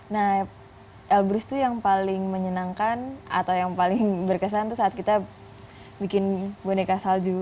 nah elbrus itu yang paling menyenangkan atau yang paling berkesan tuh saat kita bikin boneka salju